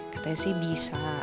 katanya sih bisa